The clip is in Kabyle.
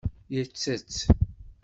Yettett.